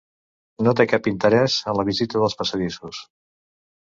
No té cap interès en la visita dels passadissos.